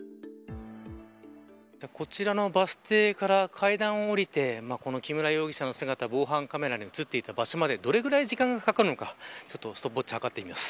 こちらのバス停から階段を降りて木村容疑者の姿防犯カメラに映っていた場所までどれぐらい時間がかかるのかストップウオッチで計ってみます。